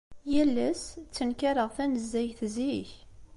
Yal ass, ttenkareɣ tanezzayt zik.